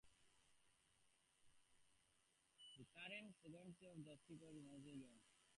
The current Secretary of Justice is Rimsky Yuen.